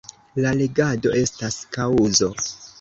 La legado estas kaŭzo.